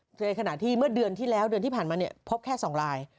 ในขณะที่เมื่อเดือนที่แล้วเดือนที่ผ่านมาเนี่ยพบแค่๒ลาย